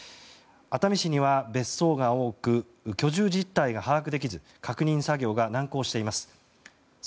熱海市には別荘が多く居住実態が確認できず確認作業が難航しています。